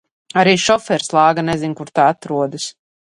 Arī šoferis lāga nezin, kur tā atrodas.